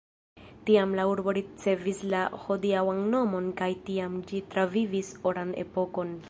Tiam la urbo ricevis la hodiaŭan nomon kaj tiam ĝi travivis oran epokon.